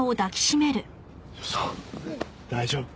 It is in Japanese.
大丈夫。